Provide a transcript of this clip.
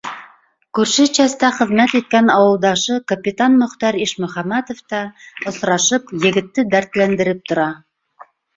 Күрше часта хеҙмәт иткән ауылдашы капитан Мөхтәр Ишмөхәмәтов та, осрашып, егетте дәртләндереп тора.